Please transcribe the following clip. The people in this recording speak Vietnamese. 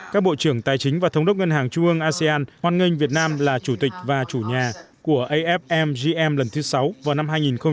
các bộ trưởng tài chính và thống đốc ngân hàng trung ương asean hoan nghênh việt nam là chủ tịch và chủ nhà của afmgm lần thứ sáu vào năm hai nghìn hai mươi